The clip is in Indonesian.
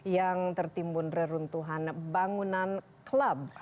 yang tertimbun reruntuhan bangunan klub